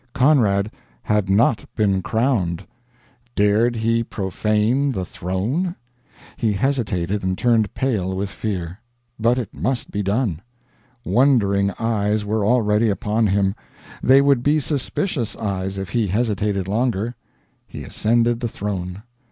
CONRAD HAD NOT BEEN CROWNED dared he profane the throne? He hesitated and turned pale with fear. But it must be done. Wondering eyes were already upon him. They would be suspicious eyes if he hesitated longer. He ascended the throne.